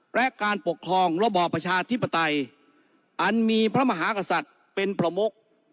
และการปกครองระบอบประชาธิปไตยอันมีพระมหากษัตริย์เป็นประมุก